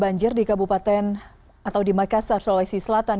kondisi terkini dari lokasi banjir di kabupaten atau di makassar sulawesi selatan